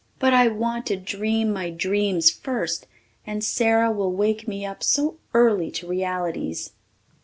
But I want to dream my dreams first and Sara will wake me up so early to realities.